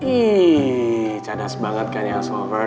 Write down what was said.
ih cadas banget kan ya solver